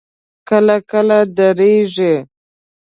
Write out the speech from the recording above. کله کله درېږي.